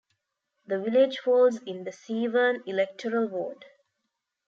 The village falls in the 'Severn' electoral ward.